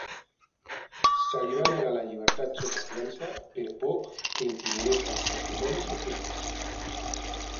Se li va negar la llibertat sota fiança, per por que intimidés els testimonis o fugís.